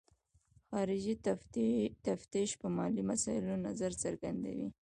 خارجي تفتیش په مالي مسایلو نظر څرګندوي.